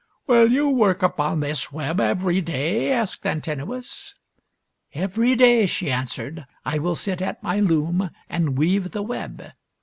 " Will you work upon this web every day ?" asked Antinous. " Every day," she answered, " I will sit at my loom and weave the web.